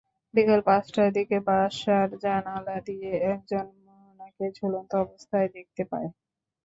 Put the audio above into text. বিকেল পাঁচটার দিকে বাসার জানালা দিয়ে একজন মোহনাকে ঝুলন্ত অবস্থায় দেখতে পায়।